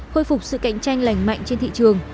khôi phục sự cạnh tranh lành mạnh trên thị trường